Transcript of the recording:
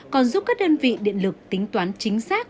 còn giúp các đơn vị điện lực tính toán chính xác